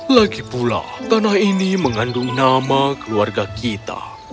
lagi pula tanah ini mengandung nama keluarga kita